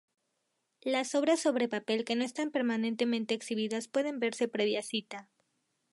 Las obras sobre papel que no están permanentemente exhibidas pueden verse previa cita.